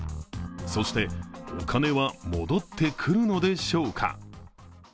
そして、お金は戻ってくるのでしょうか。